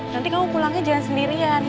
nanti kamu pulangnya jangan sendirian